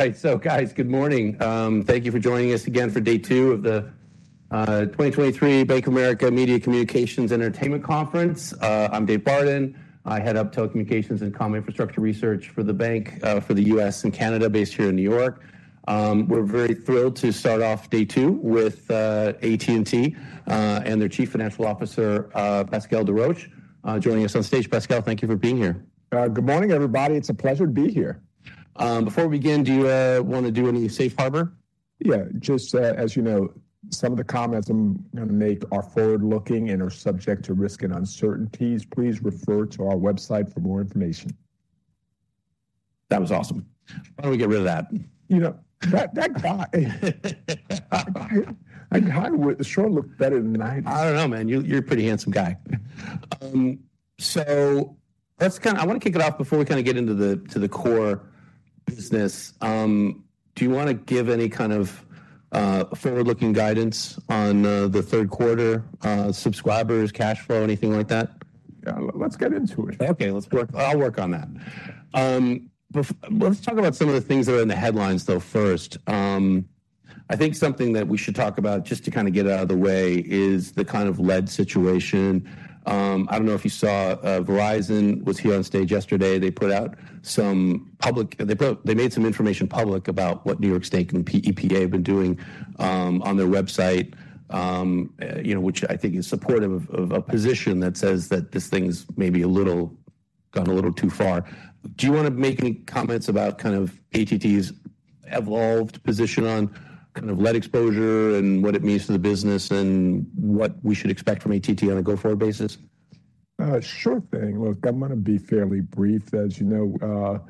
All right, so guys, good morning. Thank you for joining us again for day two of the 2023 Bank of America Media, Communications, Entertainment Conference. I'm Dave Barden. I head up telecommunications and comm infrastructure research for the bank, for the U.S. and Canada, based here in New York. We're very thrilled to start off day two with AT&T and their Chief Financial Officer, Pascal Desroches, joining us on stage. Pascal, thank you for being here. Good morning, everybody. It's a pleasure to be here. Before we begin, do you want to do any safe harbor? Yeah. Just, as you know, some of the comments I'm gonna make are forward-looking and are subject to risk and uncertainties. Please refer to our website for more information. That was awesome. Why don't we get rid of that? You know, that guy I hire sure looked better than I do. I don't know, man. You, you're a pretty handsome guy. So that's kinda... I want to kick it off before we kinda get into the, to the core business. Do you want to give any kind of forward-looking guidance on the third quarter, subscribers, cash flow, anything like that? Let's get into it. Okay, let's work. I'll work on that. Let's talk about some of the things that are in the headlines, though, first. I think something that we should talk about, just to kind of get it out of the way, is the kind of lead situation. I don't know if you saw, Verizon was here on stage yesterday. They made some information public about what New York State and EPA have been doing, on their website. You know, which I think is supportive of a position that says that this thing's maybe a little gone a little too far. Do you want to make any comments about kind of AT&T's evolved position on kind of lead exposure, and what it means to the business, and what we should expect from AT&T on a go-forward basis? Sure thing. Look, I'm gonna be fairly brief. As you know,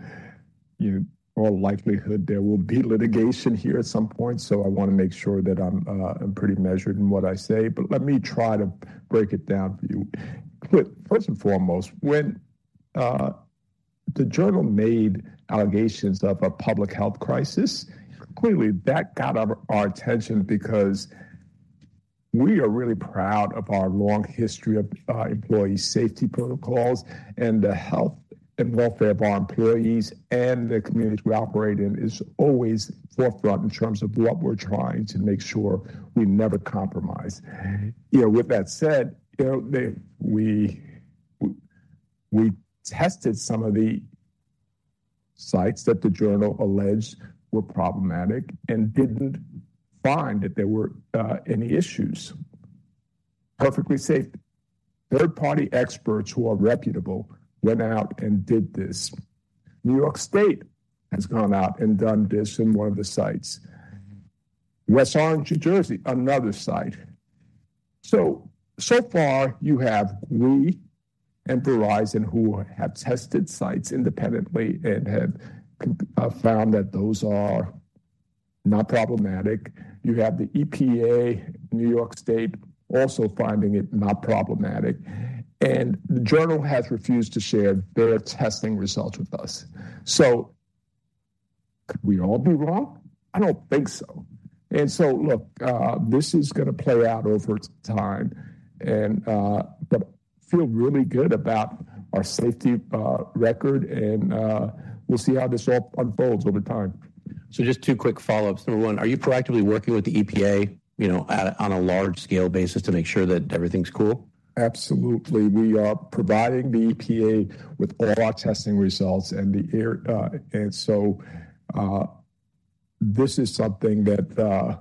in all likelihood, there will be litigation here at some point, so I want to make sure that I'm, I'm pretty measured in what I say, but let me try to break it down for you. Quick, first and foremost, when the Journal made allegations of a public health crisis, clearly that got our attention because we are really proud of our long history of employee safety protocols, and the health and welfare of our employees and the communities we operate in is always forefront in terms of what we're trying to make sure we never compromise. You know, with that said, you know, we tested some of the sites that the Journal alleged were problematic and didn't find that there were any issues. Perfectly safe. Third-party experts, who are reputable, went out and did this. New York State has gone out and done this in one of the sites. Mm-hmm. West Orange, New Jersey, another site. So, so far you have we and Verizon, who have tested sites independently and have found that those are not problematic. You have the EPA, New York State, also finding it not problematic. And the Journal has refused to share their testing results with us. So could we all be wrong? I don't think so. And so, look, this is gonna play out over time, and... but feel really good about our safety, record, and, we'll see how this all unfolds over time. So just two quick follow-ups. Number one, are you proactively working with the EPA, you know, on a large-scale basis to make sure that everything's cool? Absolutely. We are providing the EPA with all our testing results and the air. And so, this is something that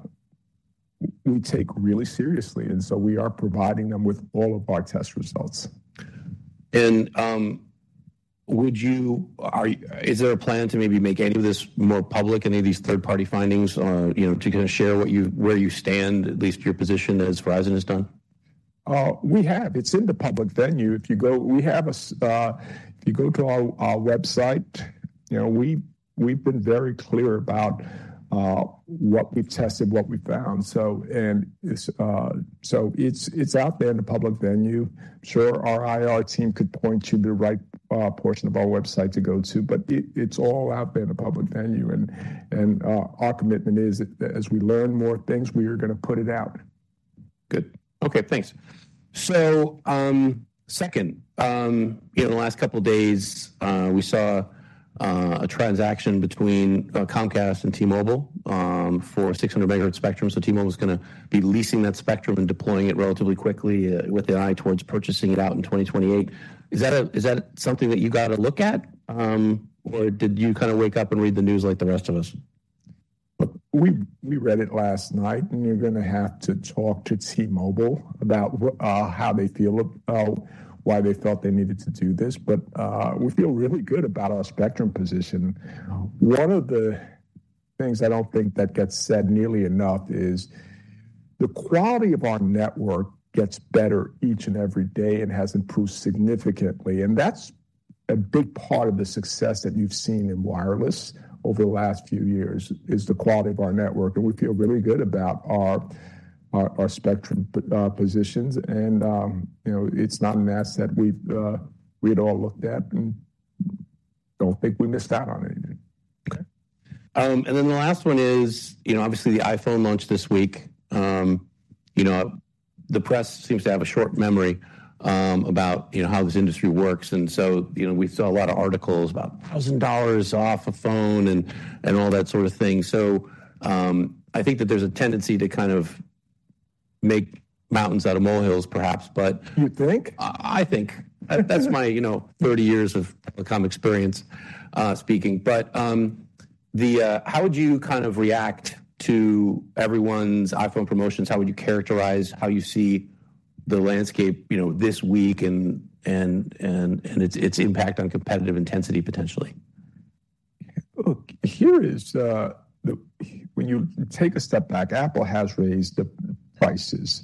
we take really seriously, and so we are providing them with all of our test results. Is there a plan to maybe make any of this more public, any of these third-party findings or, you know, to kind of share what you, where you stand, at least your position, as Verizon has done? We have. It's in the public venue. If you go to our website, you know, we've been very clear about what we've tested, what we've found. So it's out there in the public venue. I'm sure our IR team could point you to the right portion of our website to go to, but it's all out there in the public venue. And our commitment is that as we learn more things, we are gonna put it out. Good. Okay, thanks. So, second, in the last couple of days, we saw a transaction between Comcast and T-Mobile for 600 MHz spectrum. So T-Mobile is gonna be leasing that spectrum and deploying it relatively quickly, with the eye towards purchasing it out in 2028. Is that, is that something that you got to look at, or did you kind of wake up and read the news like the rest of us? We read it last night, and you're gonna have to talk to T-Mobile about how they feel about why they felt they needed to do this, but we feel really good about our spectrum position. Wow! One of the things I don't think that gets said nearly enough is the quality of our network gets better each and every day and has improved significantly. And that's a big part of the success that you've seen in wireless over the last few years, is the quality of our network, and we feel really good about our spectrum positions. And, you know, it's not an asset we'd all looked at, and don't think we missed out on anything. Okay. And then the last one is, you know, obviously, the iPhone launched this week. You know, the press seems to have a short memory about, you know, how this industry works, and so, you know, we saw a lot of articles about $1,000 off a phone and all that sort of thing. So, I think that there's a tendency to kind of make mountains out of molehills, perhaps, but- You think? I think. That's my, you know, 30 years of telecom experience speaking. But how would you kind of react to everyone's iPhone promotions? How would you characterize how you see the landscape, you know, this week and its impact on competitive intensity, potentially? Look, here is when you take a step back, Apple has raised the prices,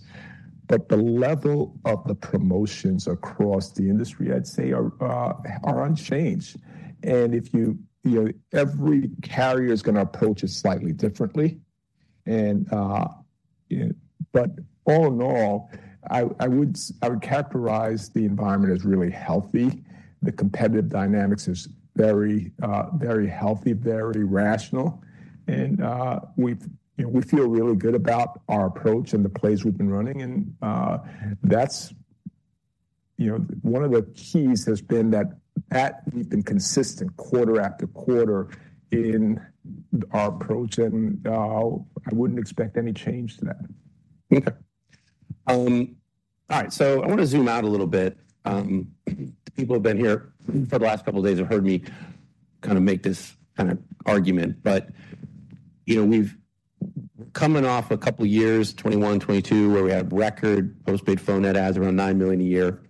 but the level of the promotions across the industry, I'd say, are unchanged. And if you, you know, every carrier is gonna approach it slightly differently, and, you know. But all in all, I would characterize the environment as really healthy. The competitive dynamics is very very healthy, very rational, and, we've, you know, we feel really good about our approach and the plays we've been running. And, that's, you know, one of the keys has been that, that we've been consistent quarter after quarter in our approach, and, I wouldn't expect any change to that. Okay. All right, so I want to zoom out a little bit. People who have been here for the last couple of days have heard me kind of make this kind of argument. But, you know, we've coming off a couple of years, 2021 and 2022, where we had record postpaid phone net adds, around 9 million a year.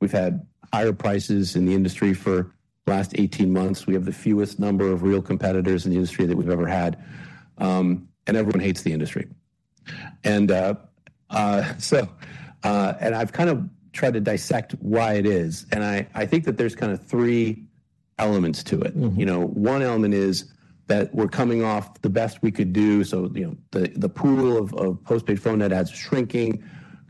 We've had higher prices in the industry for the last 18 months. We have the fewest number of real competitors in the industry than we've ever had, and everyone hates the industry. And, so, and I've kind of tried to dissect why it is, and I think that there's kind of three elements to it. Mm-hmm. You know, one element is that we're coming off the best we could do, so, you know, the pool of postpaid phone net adds is shrinking,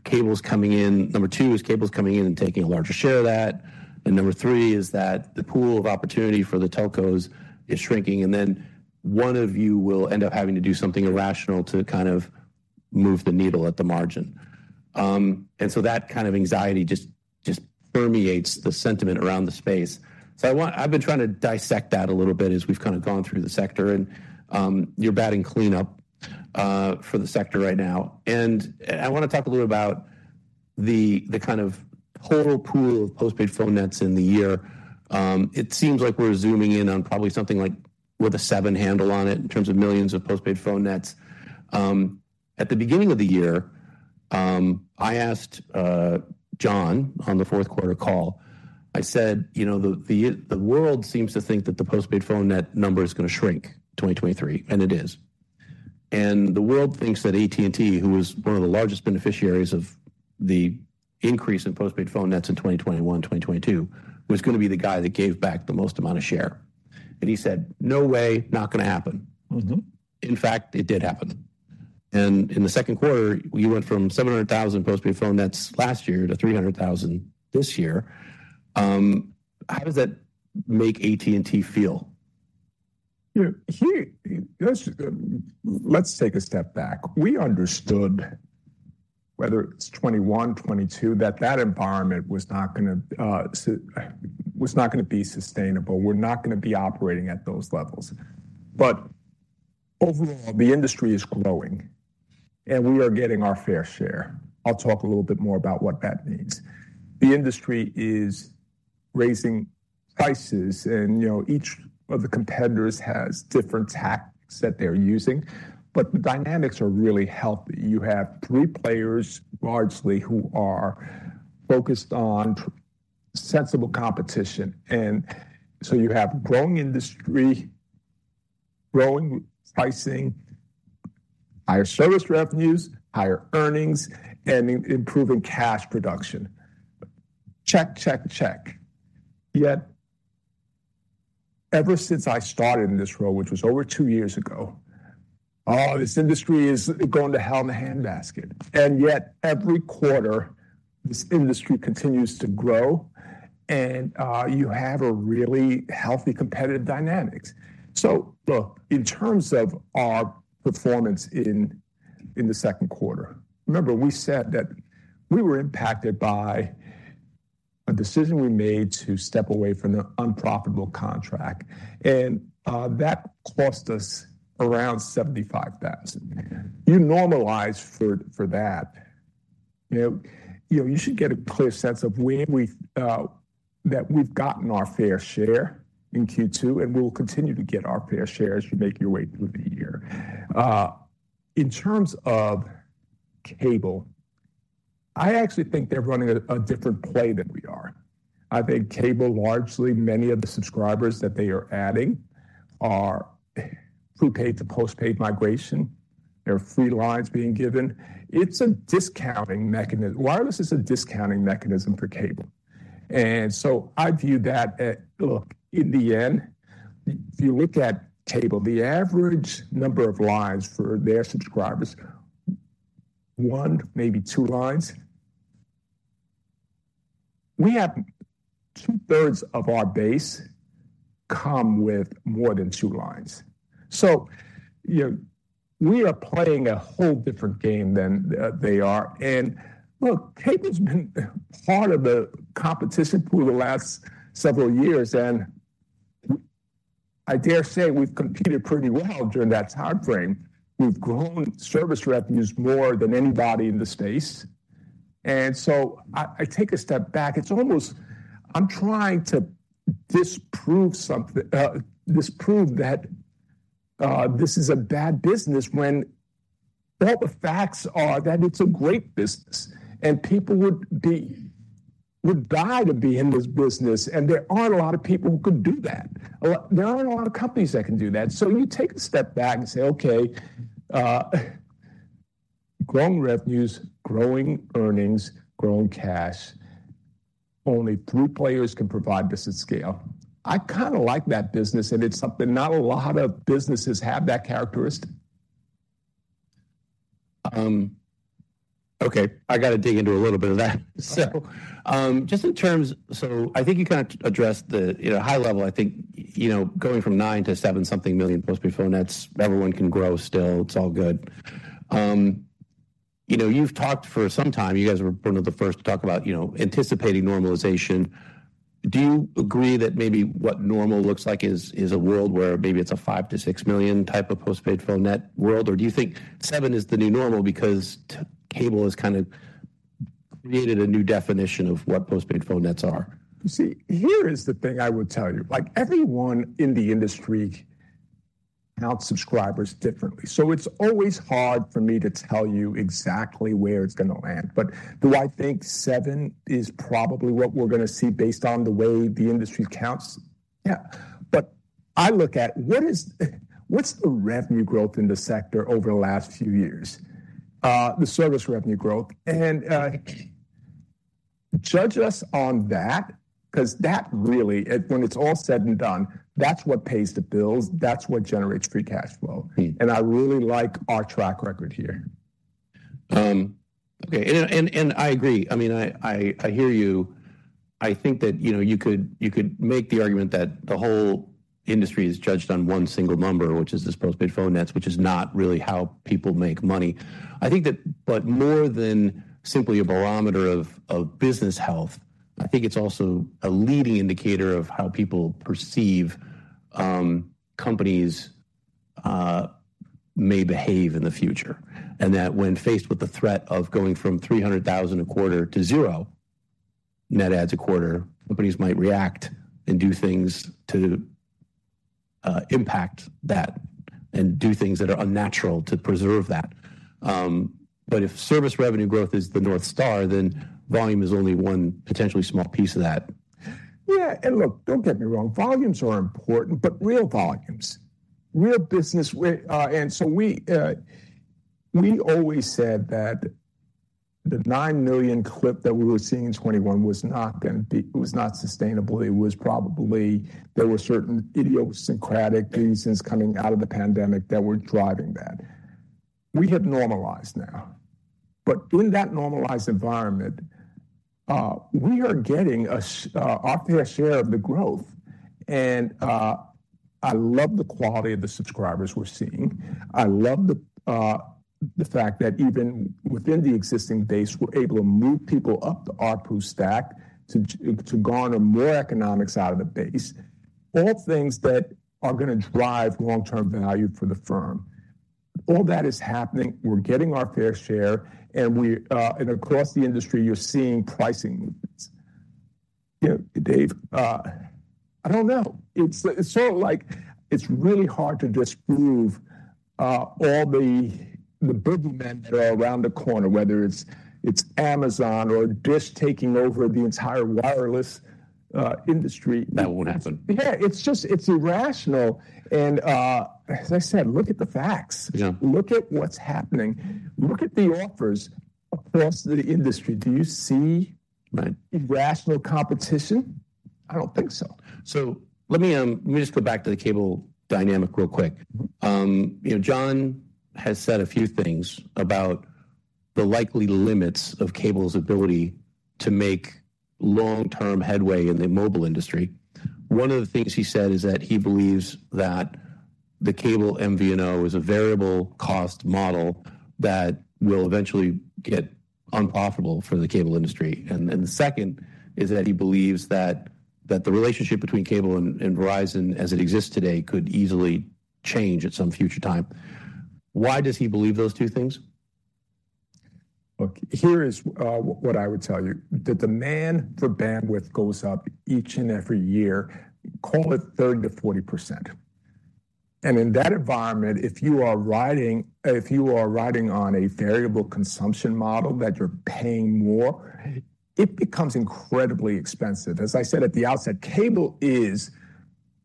cable's coming in. Number two is cable's coming in and taking a larger share of that. And number three is that the pool of opportunity for the telcos is shrinking, and then one of you will end up having to do something irrational to kind of move the needle at the margin. And so that kind of anxiety just permeates the sentiment around the space. So I want—I've been trying to dissect that a little bit as we've kind of gone through the sector, and you're batting cleanup for the sector right now. And I want to talk a little about the kind of whole pool of postpaid phone nets in the year. It seems like we're zooming in on probably something like with a seven handle on it, in terms of millions of postpaid phone nets. At the beginning of the year, I asked John on the fourth quarter call. I said: "You know, the, the, the world seems to think that the postpaid phone net number is going to shrink in 2023," and it is. And the world thinks that AT&T, who was one of the largest beneficiaries of the increase in postpaid phone nets in 2021, 2022, was going to be the guy that gave back the most amount of share. And he said, "No way. Not gonna happen. Mm-hmm. In fact, it did happen. In the second quarter, we went from 700,000 postpaid phone net adds last year to 300,000 this year. How does that make AT&T feel? Yeah, here, let's take a step back. We understood, whether it's 2021, 2022, that that environment was not gonna be sustainable. We're not gonna be operating at those levels. But overall, the industry is growing, and we are getting our fair share. I'll talk a little bit more about what that means. The industry is raising prices, and, you know, each of the competitors has different tactics that they're using, but the dynamics are really healthy. You have three players, largely, who are focused on sensible competition. And so you have growing industry, growing pricing, higher service revenues, higher earnings, and improving cash production. Check, check, check. Yet, ever since I started in this role, which was over two years ago, "Oh, this industry is going to hell in a handbasket." And yet, every quarter, this industry continues to grow, and you have a really healthy competitive dynamics. So, look, in terms of our performance in the second quarter, remember, we said that we were impacted by a decision we made to step away from an unprofitable contract, and that cost us around 75,000. You normalize for that, you know, you know, you should get a clear sense of where we've... that we've gotten our fair share in Q2, and we'll continue to get our fair share as you make your way through the year. In terms of cable, I actually think they're running a different play than we are. I think cable, largely, many of the subscribers that they are adding are prepaid to postpaid migration. There are free lines being given. It's a discounting mechanism. Wireless is a discounting mechanism for cable, and so I view that at. Look, in the end, if you look at cable, the average number of lines for their subscribers, one, maybe two lines. We have 2/3 of our base come with more than two lines. So, you know, we are playing a whole different game than they are. And look, cable's been part of the competition for the last several years, and I dare say we've competed pretty well during that time frame. We've grown service revenues more than anybody in the space. And so I take a step back. It's almost I'm trying to disprove that this is a bad business, when all the facts are that it's a great business, and people would die to be in this business, and there aren't a lot of people who could do that, or there aren't a lot of companies that can do that. So you take a step back and say, "Okay, growing revenues, growing earnings, growing cash, only three players can provide this at scale." I kinda like that business, and it's something not a lot of businesses have that characteristic. Okay, I gotta dig into a little bit of that. So, just in terms... So I think you kinda addressed the, you know, high level, I think, you know, going from 9-7 something million postpaid phone nets, everyone can grow still. It's all good. You know, you've talked for some time, you guys were one of the first to talk about, you know, anticipating normalization. Do you agree that maybe what normal looks like is a world where maybe it's a 5 million-6 million type of postpaid phone net world? Or do you think seven is the new normal because T-Mobile has kind of created a new definition of what postpaid phone nets are? You see, here is the thing I would tell you: like, everyone in the industry count subscribers differently, so it's always hard for me to tell you exactly where it's gonna land. But do I think seven is probably what we're gonna see based on the way the industry counts? Yeah. But I look at, what is, what's the revenue growth in the sector over the last few years? The service revenue growth. And, judge us on that, 'cause that really, when it's all said and done, that's what pays the bills, that's what generates free cash flow. Mm. I really like our track record here. Okay, and I agree. I mean, I hear you. I think that, you know, you could make the argument that the whole industry is judged on one single number, which is this postpaid phone net adds, which is not really how people make money. I think that, but more than simply a barometer of business health, I think it's also a leading indicator of how people perceive companies may behave in the future. And that when faced with the threat of going from 300,000 a quarter to zero net adds a quarter, companies might react and do things to impact that and do things that are unnatural to preserve that. But if service revenue growth is the North Star, then volume is only one potentially small piece of that. Yeah. And look, don't get me wrong, volumes are important, but real volumes, real business with... and so we always said that the 9 million clip that we were seeing in 2021 was not gonna be... It was not sustainable. It was probably, there were certain idiosyncratic reasons coming out of the pandemic that were driving that. We have normalized now, but in that normalized environment, we are getting our fair share of the growth, and, I love the quality of the subscribers we're seeing. I love the fact that even within the existing base, we're able to move people up the ARPU stack to garner more economics out of the base, all things that are gonna drive long-term value for the firm. All that is happening, we're getting our fair share, and we... Across the industry, you're seeing pricing movements. You know, Dave, I don't know. It's sort of like, it's really hard to disprove all the boogeymen that are around the corner, whether it's Amazon or Dish taking over the entire wireless industry. That won't happen. Yeah, it's just, it's irrational, and, as I said, look at the facts. Yeah. Look at what's happening. Look at the offers across the industry. Do you see- Right... irrational competition? I don't think so. So let me just go back to the cable dynamic real quick. You know, John has said a few things about the likely limits of cable's ability to make long-term headway in the mobile industry. One of the things he said is that he believes that the cable MVNO is a variable cost model that will eventually get unprofitable for the cable industry. And the second is that he believes that the relationship between cable and Verizon, as it exists today, could easily change at some future time. Why does he believe those two things? Look, here is what I would tell you. The demand for bandwidth goes up each and every year, call it 30%-40%. And in that environment, if you are riding, if you are riding on a variable consumption model that you're paying more, it becomes incredibly expensive. As I said at the outset, cable is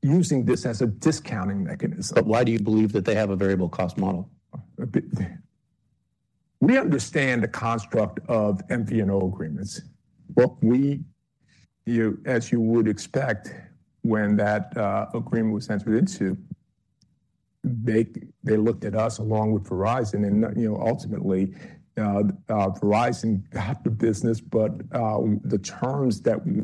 using this as a discounting mechanism. Why do you believe that they have a variable cost model? We understand the construct of MVNO agreements. Look, we, you—as you would expect, when that agreement was entered into, they, they looked at us along with Verizon, and, you know, ultimately, Verizon got the business, but, the terms that we,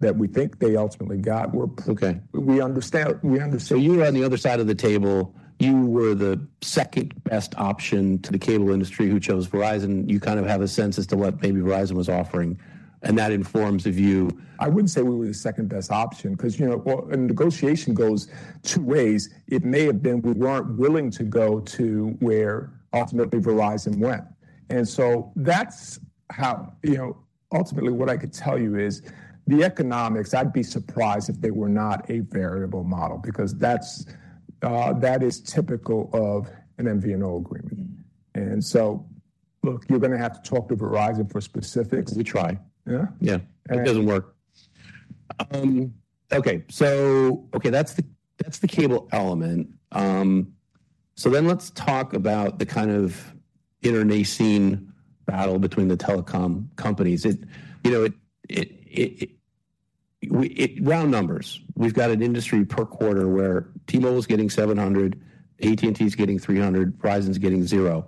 that we think they ultimately got were- Okay. We understand. So you were on the other side of the table. You were the second-best option to the cable industry, who chose Verizon. You kind of have a sense as to what maybe Verizon was offering, and that informs the view. I wouldn't say we were the second-best option, 'cause, you know, well, a negotiation goes two ways. It may have been we weren't willing to go to where ultimately Verizon went. And so that's how... You know, ultimately, what I could tell you is the economics, I'd be surprised if they were not a variable model, because that's, that is typical of an MVNO agreement. Mm-hmm. Look, you're gonna have to talk to Verizon for specifics. We try. Yeah? Yeah. All right. It doesn't work. Okay, so, okay, that's the, that's the cable element. So then let's talk about the kind of internecine battle between the telecom companies. You know, round numbers, we've got an industry per quarter where T-Mobile is getting 700, AT&T is getting 300, Verizon's getting 0.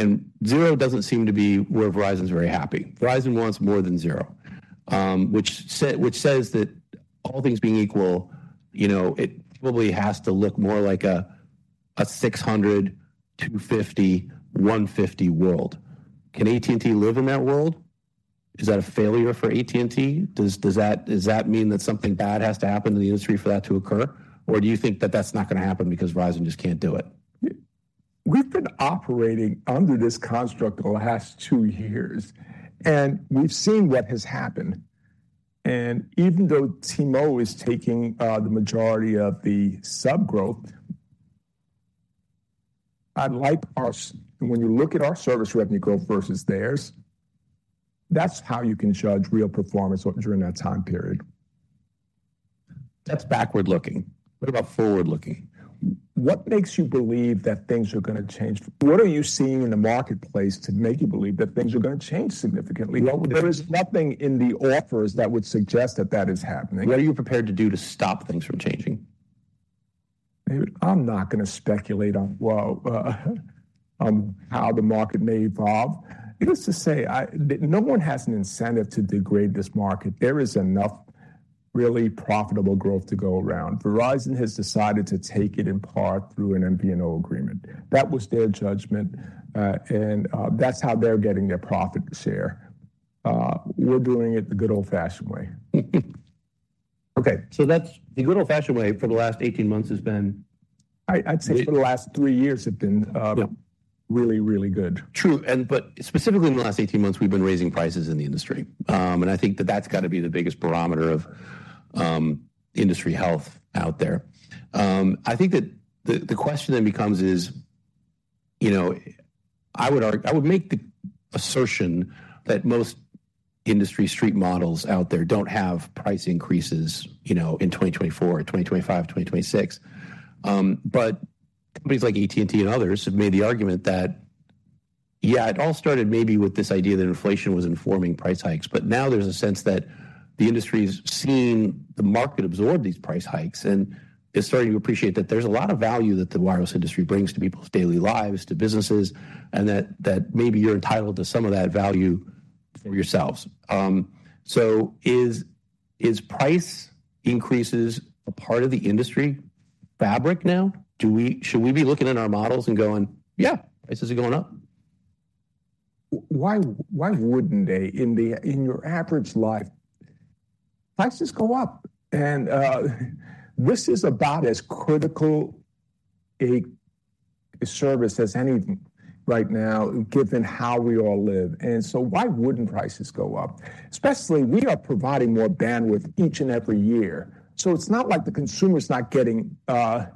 And zero doesn't seem to be where Verizon's very happy. Verizon wants more than 0, which says that all things being equal, you know, it probably has to look more like a 600, 250, 150 world. Can AT&T live in that world? Is that a failure for AT&T? Does that mean that something bad has to happen to the industry for that to occur? Or do you think that that's not gonna happen because Verizon just can't do it? We've been operating under this construct for the last two years, and we've seen what has happened. And even though T-Mobile is taking the majority of the sub growth, I'd like ours when you look at our Service Revenue growth versus theirs, that's how you can judge real performance during that time period. That's backward-looking. What about forward-looking? What makes you believe that things are gonna change? What are you seeing in the marketplace to make you believe that things are gonna change significantly? Well- There is nothing in the offers that would suggest that that is happening. What are you prepared to do to stop things from changing? David, I'm not gonna speculate on, well, on how the market may evolve. Needless to say, no one has an incentive to degrade this market. There is enough really profitable growth to go around. Verizon has decided to take it in part through an MVNO agreement. That was their judgment, and that's how they're getting their profit share. We're doing it the good old-fashioned way. Okay, so that's the good old-fashioned way for the last 18 months has been- I'd say for the last three years have been Yeah... really, really good. True, but specifically in the last 18 months, we've been raising prices in the industry. And I think that that's got to be the biggest barometer of industry health out there. I think that the question then becomes, you know, I would argue. I would make the assertion that most industry street models out there don't have price increases, you know, in 2024, in 2025, in 2026. But companies like AT&T and others have made the argument that, yeah, it all started maybe with this idea that inflation was informing price hikes, but now there's a sense that the industry's seeing the market absorb these price hikes and is starting to appreciate that there's a lot of value that the wireless industry brings to people's daily lives, to businesses, and that maybe you're entitled to some of that value for yourselves. So is price increases a part of the industry fabric now? Should we be looking at our models and going: "Yeah, prices are going up? Why, why wouldn't they? In your average life, prices go up, and this is about as critical a service as anything right now, given how we all live. And so why wouldn't prices go up? Especially, we are providing more bandwidth each and every year. So it's not like the consumer's not getting a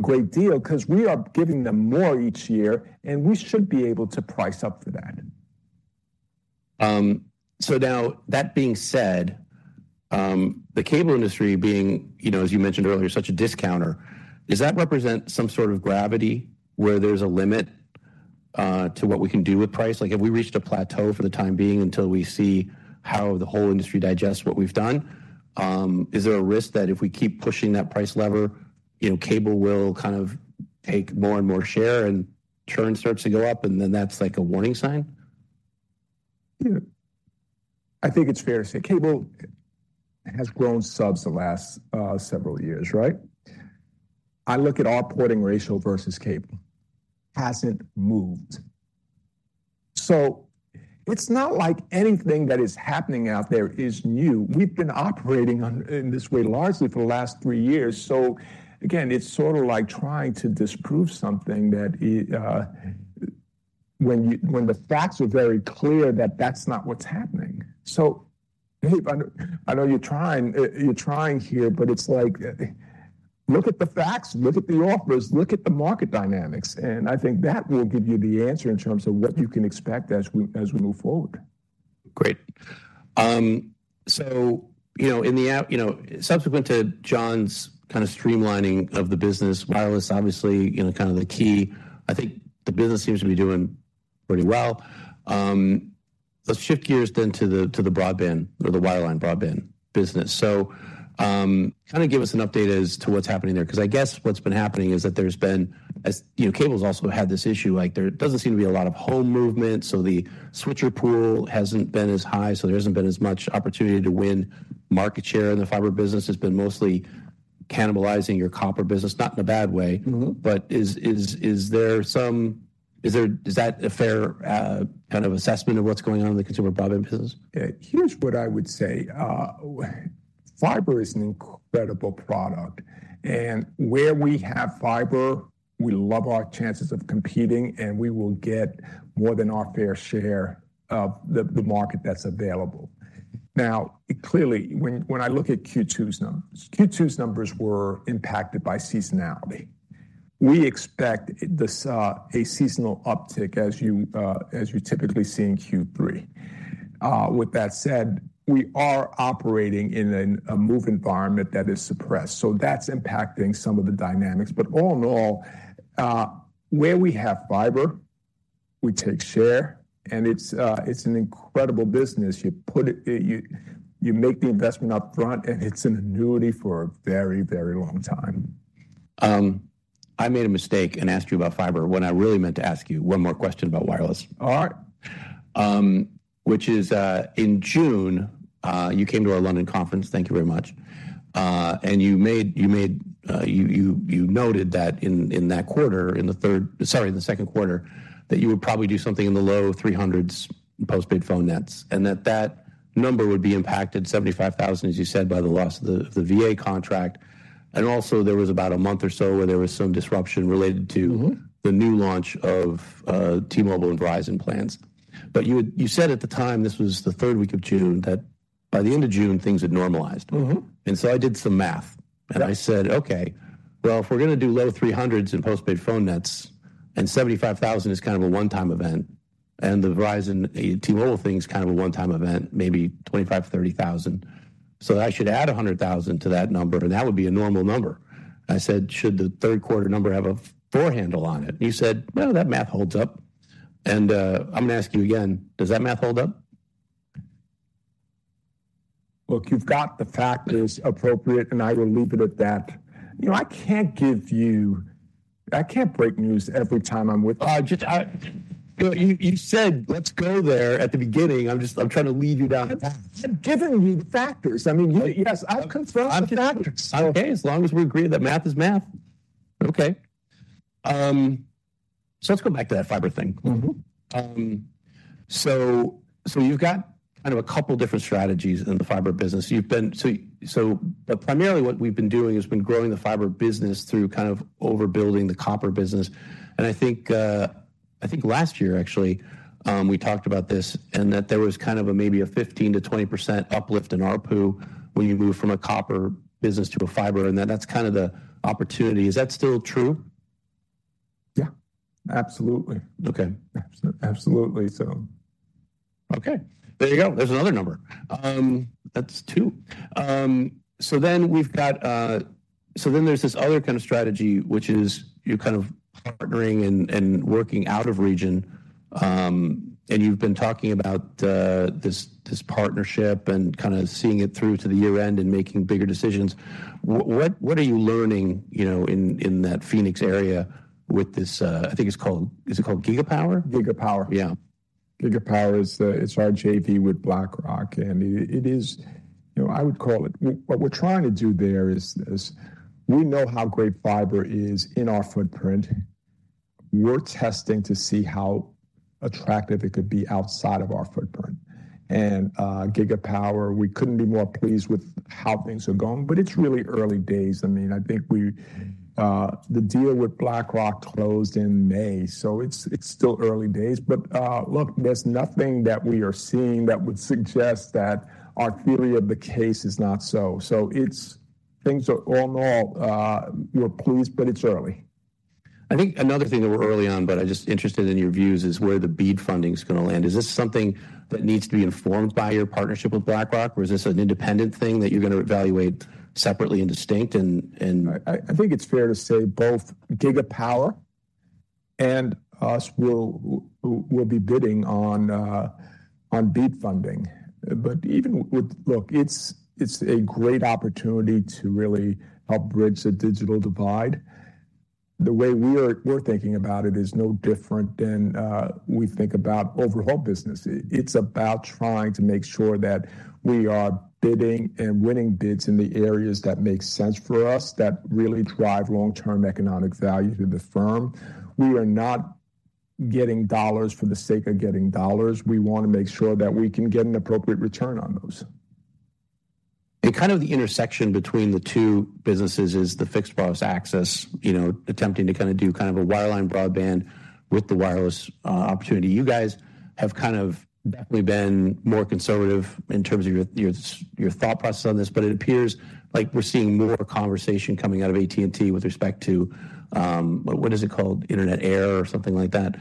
great deal, 'cause we are giving them more each year, and we should be able to price up for that. So now, that being said, the cable industry being, you know, as you mentioned earlier, such a discounter, does that represent some sort of gravity where there's a limit to what we can do with price? Like, have we reached a plateau for the time being until we see how the whole industry digests what we've done? Is there a risk that if we keep pushing that price lever, you know, cable will kind of take more and more share, and churn starts to go up, and then that's like a warning sign? Yeah. I think it's fair to say cable has grown subs the last several years, right? I look at our porting ratio versus cable. Hasn't moved. So it's not like anything that is happening out there is new. We've been operating in this way largely for the last three years. So again, it's sort of like trying to disprove something that when the facts are very clear that that's not what's happening. So, Dave, I know, I know you're trying, you're trying here, but it's like, look at the facts, look at the offers, look at the market dynamics, and I think that will give you the answer in terms of what you can expect as we, as we move forward. Great. So, you know, in the, you know, subsequent to John's kind of streamlining of the business, wireless, obviously, you know, kind of the key. I think the business seems to be doing pretty well. Let's shift gears then to the, to the broadband or the wireline broadband business. So, kind of give us an update as to what's happening there. Because I guess what's been happening is that there's been, as, you know, cable's also had this issue, like, there doesn't seem to be a lot of home movement, so the switcher pool hasn't been as high, so there hasn't been as much opportunity to win market share, and the fiber business has been mostly cannibalizing your copper business. Not in a bad way. Mm-hmm. But is that a fair kind of assessment of what's going on in the consumer broadband business? Here's what I would say. Well, fiber is an incredible product, and where we have fiber, we love our chances of competing, and we will get more than our fair share of the market that's available. Now, clearly, when I look at Q2's numbers, Q2's numbers were impacted by seasonality. We expect a seasonal uptick, as you typically see in Q3. With that said, we are operating in a move environment that is suppressed, so that's impacting some of the dynamics. But all in all, where we have fiber, we take share, and it's an incredible business. You make the investment upfront, and it's an annuity for a very, very long time. I made a mistake and asked you about fiber, when I really meant to ask you one more question about wireless. All right. which is, in June, you came to our London conference, thank you very much, and you made, you noted that in that quarter, in the second quarter, that you would probably do something in the low 300s postpaid phone nets, and that that number would be impacted 75,000, as you said, by the loss of the VA contract. And also there was about a month or so where there was some disruption related to- Mm-hmm... the new launch of T-Mobile and Verizon plans. But you said at the time, this was the third week of June, that by the end of June, things had normalized. Mm-hmm. And so I did some math, and I said: Okay, well, if we're gonna do low 300s in postpaid phone nets, and 75,000 is kind of a one-time event, and the Verizon, T-Mobile thing is kind of a one-time event, maybe 25,000, 30,000. So I should add 100,000 to that number, and that would be a normal number. I said, "Should the third quarter number have a four handle on it?" You said, "Well, that math holds up." And, I'm gonna ask you again, does that math hold up? Look, you've got the factors appropriate, and I will leave it at that. You know, I can't give you... I can't break news every time I'm with you. Just, but you, you said, "Let's go there," at the beginning. I'm just trying to lead you down the path. I've given you the factors. I mean, you- Yes, I've confirmed the factors. Okay. As long as we agree that math is math. Okay. So let's go back to that fiber thing. Mm-hmm. So, you've got kind of a couple different strategies in the fiber business. You've been. So, but primarily what we've been doing has been growing the fiber business through kind of overbuilding the copper business, and I think, I think last year, actually, we talked about this, and that there was kind of a maybe a 15%-20% uplift in ARPU when you move from a copper business to a fiber, and that that's kind of the opportunity. Is that still true? Yeah, absolutely. Okay. Absolutely. So... Okay, there you go. There's another number. That's two. So then there's this other kind of strategy, which is you're kind of partnering and, and working out of region, and you've been talking about this, this partnership and kind of seeing it through to the year-end and making bigger decisions. What, what are you learning, you know, in, in that Phoenix area with this, I think it's called... Is it called Gigapower? Gigapower. Yeah. Gigapower is. It's our JV with BlackRock, and it is. You know, I would call it. What we're trying to do there is we know how great fiber is in our footprint. We're testing to see how attractive it could be outside of our footprint. Gigapower, we couldn't be more pleased with how things are going, but it's really early days. I mean, I think we, the deal with BlackRock closed in May, so it's still early days. But, look, there's nothing that we are seeing that would suggest that our theory of the case is not so. So it's things are all in all, we're pleased, but it's early. I think another thing that we're early on, but I'm just interested in your views, is where the BEAD funding is gonna land. Is this something that needs to be informed by your partnership with BlackRock, or is this an independent thing that you're gonna evaluate separately and distinct? I think it's fair to say both Gigapower and us will be bidding on BEAD funding. But even with... Look, it's a great opportunity to really help bridge the digital divide. The way we're thinking about it is no different than we think about overall business. It's about trying to make sure that we are bidding and winning bids in the areas that make sense for us, that really drive long-term economic value to the firm. We are not getting dollars for the sake of getting dollars. We want to make sure that we can get an appropriate return on those. And kind of the intersection between the two businesses is the fixed plus access, you know, attempting to kind of do kind of a wireline broadband with the wireless opportunity. You guys have kind of definitely been more conservative in terms of your, your, your thought process on this, but it appears like we're seeing more conversation coming out of AT&T with respect to, what, what is it called? Internet Air or something like that.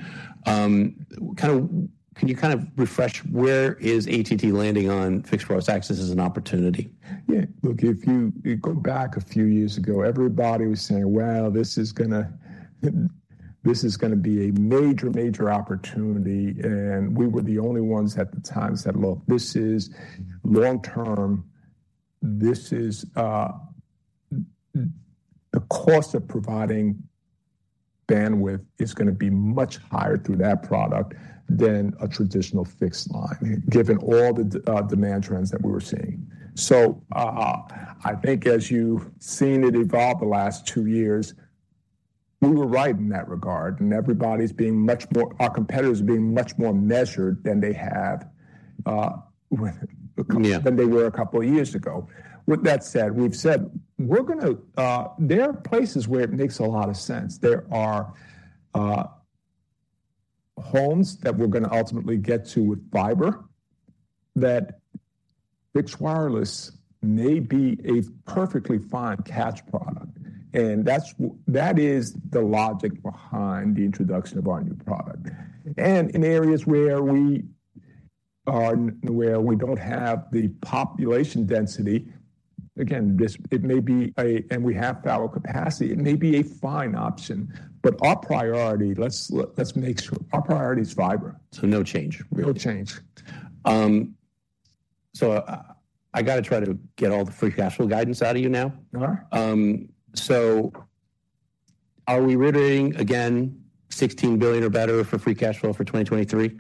Can you kind of refresh where is AT&T landing on fixed plus access as an opportunity? Yeah. Look, if you go back a few years ago, everybody was saying: "Well, this is going to be a major, major opportunity, and we were the only ones at the time said, "Look, this is long term. This is the cost of providing bandwidth is going to be much higher through that product than a traditional fixed line," given all the demand trends that we were seeing. So, I think as you've seen it evolve the last two years, we were right in that regard, and everybody's being much more - our competitors are being much more measured than they have with- Yeah than they were a couple of years ago. With that said, we've said we're going to. There are places where it makes a lot of sense. There are homes that we're going to ultimately get to with fiber, that fixed wireless may be a perfectly fine stopgap product, and that is the logic behind the introduction of our new product. And in areas where we are, where we don't have the population density, again, it may be a fine option and we have available capacity, but our priority, let's look, let's make sure, our priority is fiber. So no change? No change. So, I got to try to get all the free cash flow guidance out of you now. All right. Are we reiterating again $16 billion or better for free cash flow for 2023?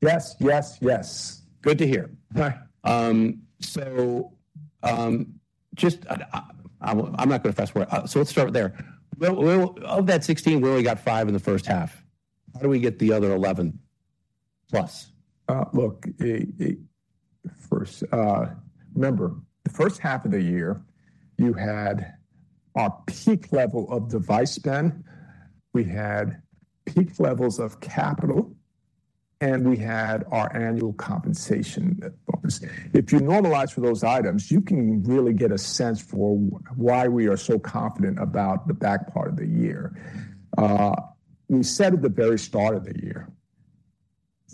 Yes, yes, yes. Good to hear. All right. I'm not going to fast forward. So let's start there. Well, of that 16, we only got five in the first half. How do we get the other 11+? Look, the first half of the year, you had a peak level of device spend, we had peak levels of capital, and we had our annual compensation bonus. If you normalize for those items, you can really get a sense for why we are so confident about the back part of the year. We said at the very start of the year,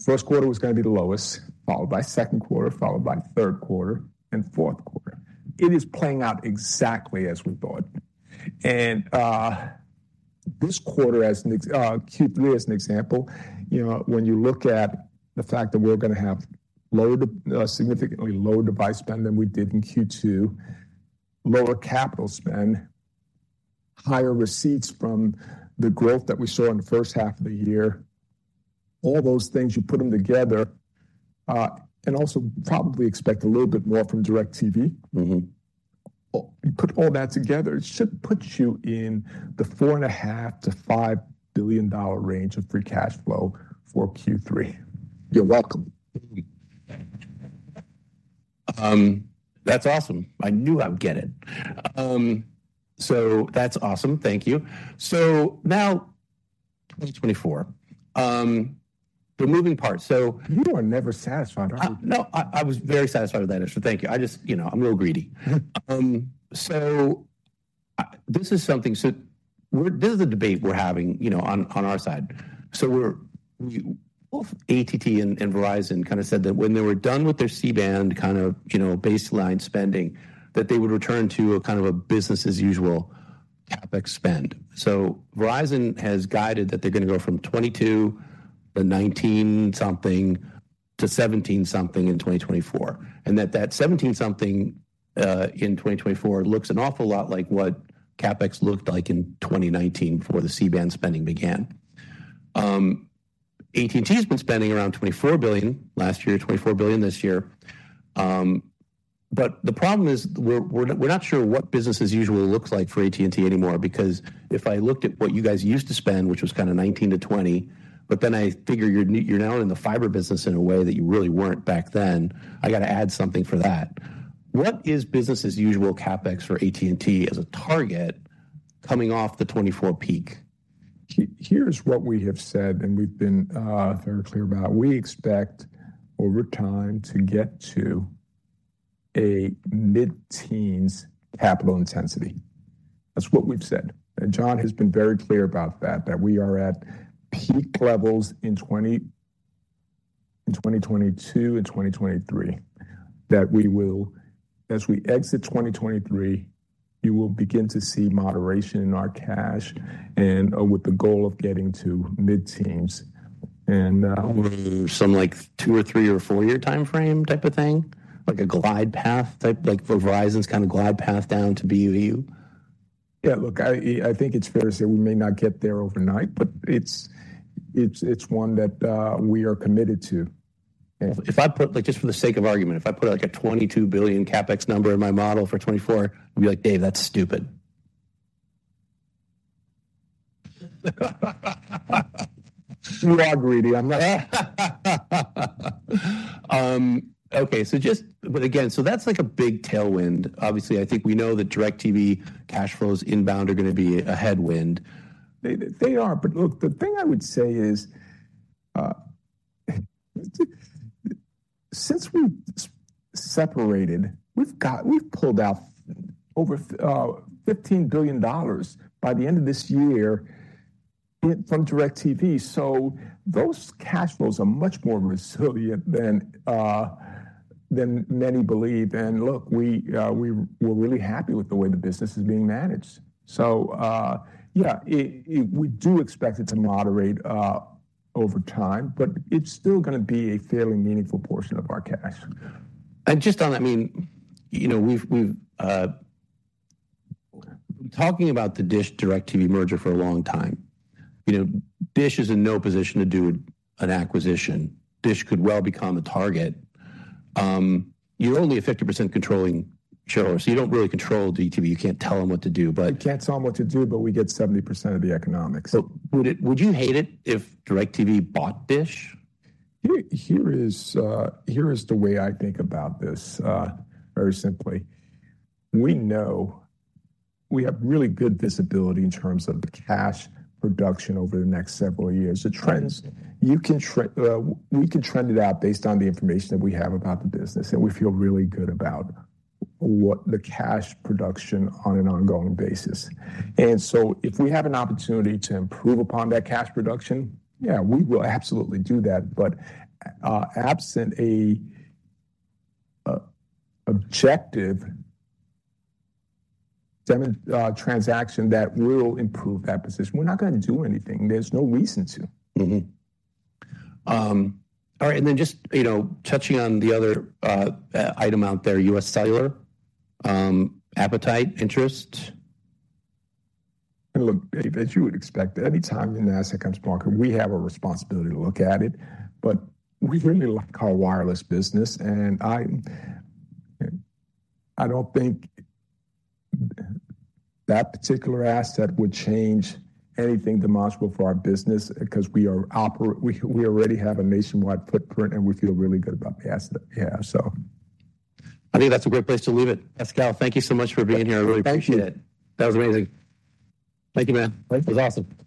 first quarter was going to be the lowest, followed by second quarter, followed by third quarter and fourth quarter. It is playing out exactly as we thought. This quarter, Q3, as an example, you know, when you look at the fact that we're going to have lower, significantly lower device spend than we did in Q2, lower capital spend, higher receipts from the growth that we saw in the first half of the year, all those things, you put them together, and also probably expect a little bit more from DIRECTV. Mm-hmm. Oh, you put all that together, it should put you in the $4.5 billion-$5 billion range of free cash flow for Q3. You're welcome. That's awesome. I knew I'd get it. So that's awesome. Thank you. So now, 2024, the moving parts, You are never satisfied, are you? No, I was very satisfied with that, so thank you. I just, you know, I'm a little greedy. So this is something. So this is the debate we're having, you know, on our side. So both AT&T and Verizon kind of said that when they were done with their C-band, kind of, you know, baseline spending, that they would return to a kind of a business as usual CapEx spend. So Verizon has guided that they're going to go from $22 billion to $19-something to $17-something in 2024, and that $17-something in 2024 looks an awful lot like what CapEx looked like in 2019 before the C-band spending began. AT&T has been spending around $24 billion last year, $24 billion this year. But the problem is, we're not sure what business as usual looks like for AT&T anymore, because if I looked at what you guys used to spend, which was kind of 19-20, but then I figure you're now in the fiber business in a way that you really weren't back then, I got to add something for that. What is business as usual CapEx for AT&T as a target coming off the 2024 peak? Here's what we have said, and we've been very clear about. We expect over time to get to a mid-teens capital intensity. That's what we've said. And John has been very clear about that, that we are at peak levels in 2022 and 2023. That we will, as we exit 2023, you will begin to see moderation in our cash and, with the goal of getting to mid-teens. And, Some, like, two or three or four-year timeframe type of thing? Like a glide path type, like for Verizon's kind of glide path down to BAU? Yeah, look, I think it's fair to say we may not get there overnight, but it's one that we are committed to. If I put, like, just for the sake of argument, if I put, like, a $22 billion CapEx number in my model for 2024, you'd be like: "Dave, that's stupid. You are greedy. I'm not- But again, so that's like a big tailwind. Obviously, I think we know that DIRECTV cash flows inbound are going to be a headwind. They are, but look, the thing I would say is, since we've separated, we've pulled out over $15 billion by the end of this year from DIRECTV, so those cash flows are much more resilient than many believe. And look, we're really happy with the way the business is being managed. So, yeah, we do expect it to moderate over time, but it's still gonna be a fairly meaningful portion of our cash. And just on that, I mean, you know, we've, we've been talking about the Dish-DIRECTV merger for a long time. You know, Dish is in no position to do an acquisition. Dish could well become the target. You're only a 50% controlling shareholder, so you don't really control DIRECTV. You can't tell them what to do, but- We can't tell them what to do, but we get 70% of the economics. So would you hate it if DIRECTV bought Dish? Here is the way I think about this, very simply. We know we have really good visibility in terms of the cash production over the next several years. The trends, you can trend it out based on the information that we have about the business, and we feel really good about what the cash production on an ongoing basis. And so if we have an opportunity to improve upon that cash production, yeah, we will absolutely do that. But, absent a objective transaction that will improve that position, we're not gonna do anything. There's no reason to. Mm-hmm. All right, and then just, you know, touching on the other item out there, U.S. Cellular, appetite, interest? Look, Dave, as you would expect, anytime an asset comes to market, we have a responsibility to look at it, but we really like our wireless business, and I, I don't think that particular asset would change anything demonstrable for our business, because we already have a nationwide footprint, and we feel really good about the asset we have, so. I think that's a great place to leave it. Pascal, thank you so much for being here. Thank you. I really appreciate it. That was amazing. Thank you, man. Thank you. It was awesome.